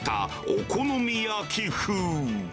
お好み焼き風。